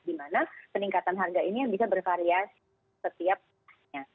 di mana peningkatan harga ini yang bisa bervariasi setiapnya